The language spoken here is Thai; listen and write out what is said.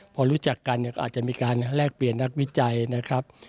พอรู้จักกันเนี่ยก็อาจจะมีการแลกเปลี่ยนนักวิจัยนะครับ